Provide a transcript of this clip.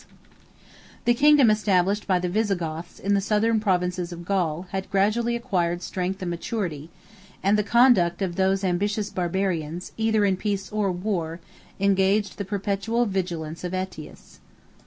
] The kingdom established by the Visigoths in the southern provinces of Gaul, had gradually acquired strength and maturity; and the conduct of those ambitious Barbarians, either in peace or war, engaged the perpetual vigilance of Ætius.